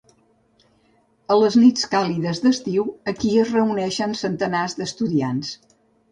A les nits càlides d'estiu, aquí es reuneixen centenars d'estudiants.